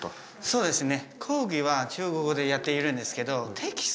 そうですね。